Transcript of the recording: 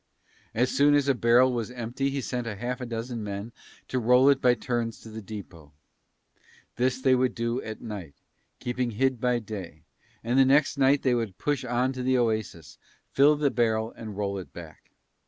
As soon as a barrel was empty he sent half a dozen men to roll it by turns to the depot. This they would do at night, keeping hid by day, and next night they would push on to the oasis, fill the barrel and roll it back.